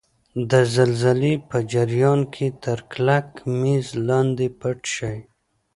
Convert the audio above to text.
د زلزلې په جریان کې تر کلک میز لاندې پټ شئ.